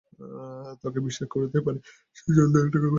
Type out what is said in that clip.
তাকে বিশ্বাস করতে পারি, সে জলদিই এটা করবে।